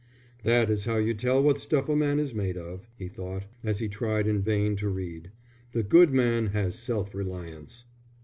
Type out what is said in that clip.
"That is how you tell what stuff a man is made of," he thought, as he tried in vain to read. "The good man has self reliance."